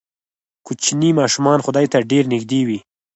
کوچني ماشومان خدای ته ډېر نږدې وي.